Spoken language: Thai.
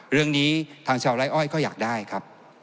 เรื่องนี้ทางชาวไร้อ้อยก็อยากได้ครับ